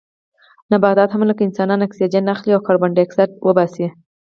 نباتات هم لکه انسانان اکسیجن اخلي او کاربن ډای اکسایډ وباسي